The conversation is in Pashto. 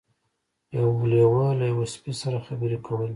یو لیوه له یوه سپي سره خبرې کولې.